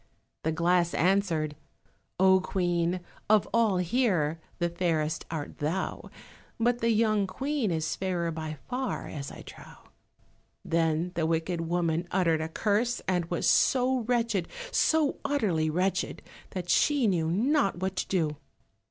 the glass answered— "Oh, Queen, of all here the fairest art thou, But the young Queen is fairer by far as I trow." Then the wicked woman uttered a curse, and was so wretched, so utterly wretched, that she knew not what to do.